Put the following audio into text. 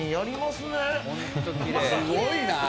すごいな。